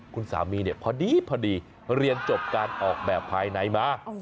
คุณสามีเนี่ยพอดีเรียนจบการออกแบบภายในมา